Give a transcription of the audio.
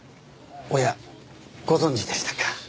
おやご存じでしたか。